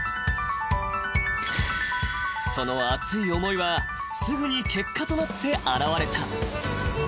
［その熱い思いはすぐに結果となって表れた］